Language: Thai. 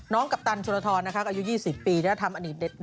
น้องกัปตันชุนทรนะคะอายุ๒๐ปี